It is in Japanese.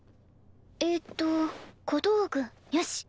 えっと小道具よし。